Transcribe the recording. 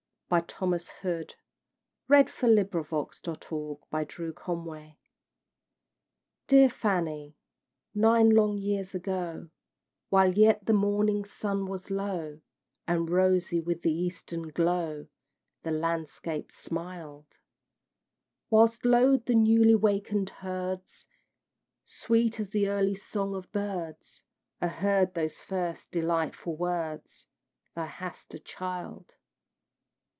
[Footnote 16: Written at Ostend in September 1839.] Dear Fanny! nine long years ago, While yet the morning sun was low, And rosy with the Eastern glow The landscape smiled Whilst lowed the newly waken'd herds Sweet as the early song of birds, I heard those first, delightful words, "Thou hast a Child!"